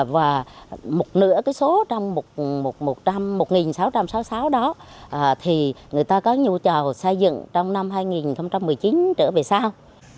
và một nửa số trong một sáu trăm sáu mươi sáu đó người ta có nhu chầu xây dựng trong năm hai nghìn một mươi chín trở về sau